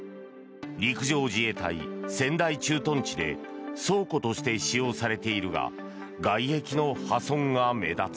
陸上自衛隊仙台駐屯地で倉庫として使用されているが外壁の破損が目立つ。